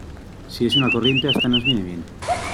si es una corriente, hasta nos viene bien